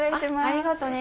ありがとね。